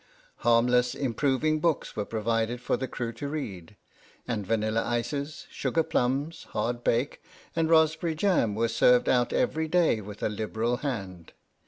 Harmless improving books were provided for the crew to read, and vanilla ices, sugar plums, hardbake and raspberry jam were served out every day with a liberal hand.